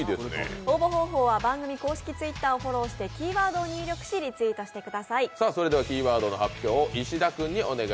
応募方法は番組公式Ｔｗｉｔｔｅｒをフォローしキーワードを入力してリツイートしてください。